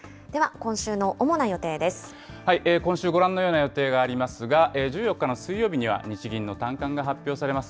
今週、ご覧のような予定がありますが、１４日の水曜日には、日銀の短観が発表されます。